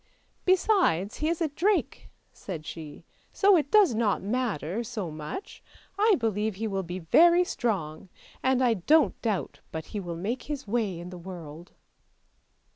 " Besides he is a drake," said she; " so it does not matter so much. I believe he will be very strong, and I don't doubt but he will make his way in the world."